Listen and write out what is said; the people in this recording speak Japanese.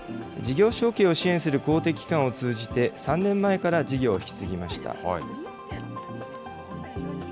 事業承継を支援する公的機関を通じて、３年前から事業を引き継ぎました。